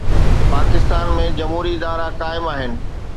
پاڪستان ۾ جمهوري ادارا قائم آهن.